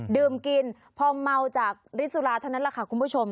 ดื่มกินพอเมาจากริสุราภัณฑ์เท่านั้นล่ะค่ะคุณผู้ชม